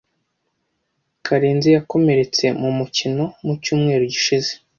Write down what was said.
Karenzi yakomeretse mu mukino mu cyumweru gishize.